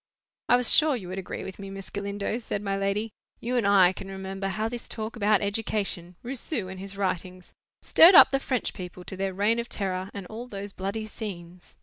"I was sure you would agree with me, Miss Galindo," said my lady. "You and I can remember how this talk about education—Rousseau, and his writings—stirred up the French people to their Reign of Terror, and all those bloody scenes."